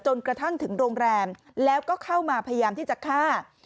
จนกระทั่งถึงโรงแรมแล้วก็เข้ามาพยายามที่จะฆ่า